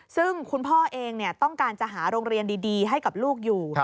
ซึ่งคุณพ่อเองต้องการจะหาโรงเรียนดีให้กับลูกอยู่